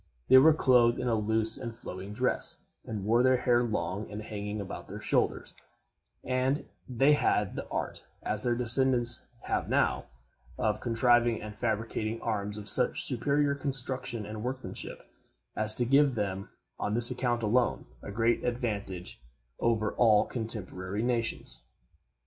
They were clothed in a loose and flowing dress, and wore their hair long and hanging about their shoulders; and they had the art, as their descendants have now, of contriving and fabricating arms of such superior construction and workmanship, as to give them, on this account alone, a great advantage over all cotemporary nations.